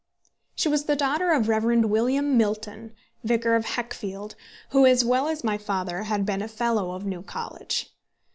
She was the daughter of the Rev. William Milton, vicar of Heckfield, who, as well as my father, had been a fellow of New College.